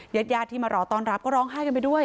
ยัดยาที่มารอตอนรับก็ร้องไห้กันไปด้วย